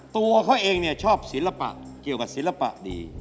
ตัวเขาเองชอบศิลปะเกี่ยวกับศิลปะดี